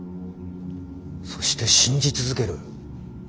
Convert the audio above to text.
そして信じ続ける。